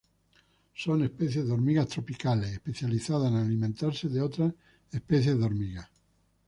Son especies de hormigas tropicales, especializadas en alimentarse de otras especies de hormigas.